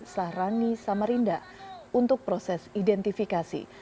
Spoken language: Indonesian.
sahrani samarinda untuk proses identifikasi